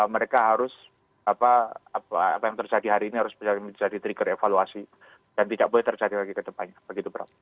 mereka harus apa yang terjadi hari ini harus menjadi trigger evaluasi dan tidak boleh terjadi lagi ke depannya begitu prof